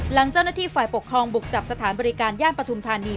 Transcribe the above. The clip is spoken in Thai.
หลังเจ้าหน้าที่ฝ่ายปกครองบุกจับสถานบริการย่านปฐุมธานี